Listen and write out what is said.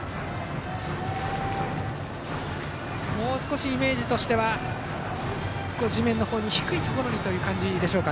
もう少しイメージとしては地面の方に、低いところにというところでしょうか。